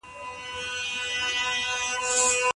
آیا نړیوال څېړندود مو لیدلی دئ؟